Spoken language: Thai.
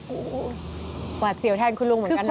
โอ้โหหวาดเสียวแทนคุณลุงเหมือนกันนะ